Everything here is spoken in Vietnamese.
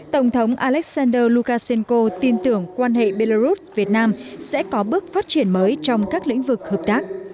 tổng thống alexander lukashenko tin tưởng quan hệ belarus việt nam sẽ có bước phát triển mới trong các lĩnh vực hợp tác